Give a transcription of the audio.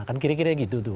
kan kira kira gitu tuh